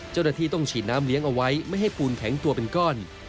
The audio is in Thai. เจ้าหน้าที่ต้องฉีดน้ำเลี้ยงเอาไว้ไม่ให้ปูนแข็งตัวเป็นก้อน